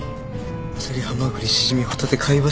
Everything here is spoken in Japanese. アサリハマグリシジミホタテ貝柱。